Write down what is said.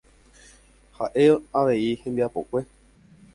Ha'e avei hembiapokue.